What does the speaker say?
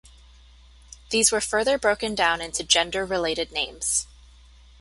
These were further broken down into gender related names.